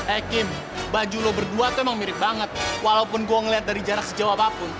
ekin baju lo berdua tuh emang mirip banget walaupun gue ngeliat dari jarak sejauh apapun